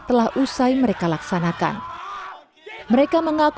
oleh karena t